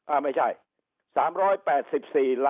อ้าวไม่ใช่